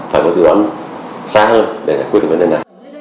phải có dự án